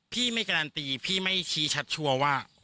พี่ไม่การันตีพี่ไม่ชี้ชัดชัวร์ว่า